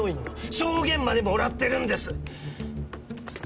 証言までもらってるんです